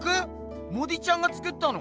モディちゃんが作ったの？